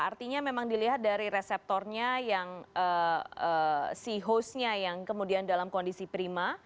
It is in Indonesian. artinya memang dilihat dari reseptornya yang si hostnya yang kemudian dalam kondisi prima